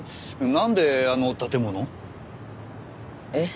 なんであの建物？えっ？